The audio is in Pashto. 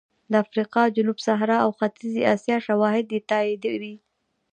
د افریقا جنوب صحرا او ختیځې اسیا شواهد یې تاییدوي